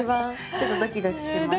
ちょっとドキドキしますね。